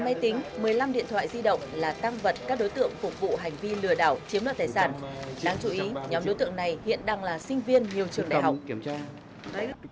đáng chú ý nhóm đối tượng này hiện đang là sinh viên nhiều trường đại học